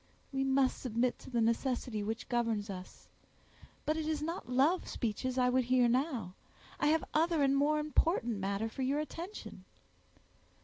"We must submit to the necessity which governs us. But it is not love speeches I would hear now; I have other and more important matter for your attention."